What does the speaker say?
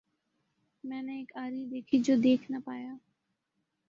میں نے ایک آری دیکھی جو دیکھ نہ پایا۔